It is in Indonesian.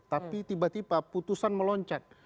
tapi tiba tiba putusan meloncat